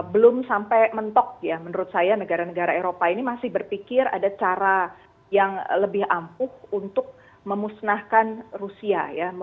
belum sampai mentok ya menurut saya negara negara eropa ini masih berpikir ada cara yang lebih ampuh untuk memusnahkan rusia ya